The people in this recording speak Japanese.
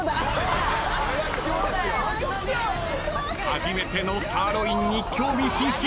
初めてのサーロインに興味津々。